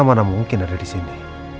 tapi tidak mungkin elsa ada di sini